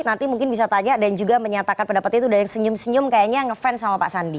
nanti mungkin bisa tanya dan juga menyatakan pendapatnya itu udah yang senyum senyum kayaknya ngefans sama pak sandi